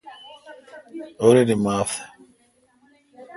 اورنی معاف۔